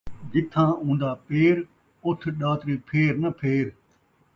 جتھاں اوندا پیر، اُتھ ݙاتری پھیر ناں پھیر